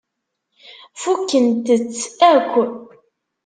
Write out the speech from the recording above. Fukkent-t akk.